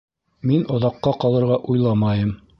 Мин оҙаҡҡа ҡалырға уйламайым